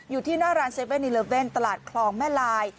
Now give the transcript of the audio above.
อยู่ที่หน้าร้าน๗๑๑ตลาดคลองแม่ลาย